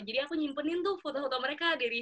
jadi aku nyimpenin tuh foto foto mereka dari facebook